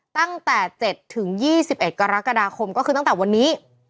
ตั้งแต่๗๒๑กรกฎาคมก็คือตั้งแต่วันนี้